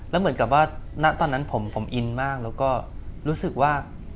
แล้วเหมือนกับว่าณตอนนั้นผมอินมากแล้วก็รู้สึกว่า